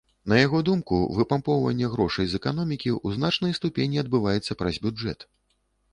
На яго думку, выпампоўванне грошай з эканомікі ў значнай ступені адбываецца праз бюджэт.